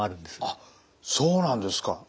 あっそうなんですか！